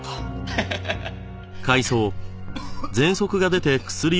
ハハハハッ！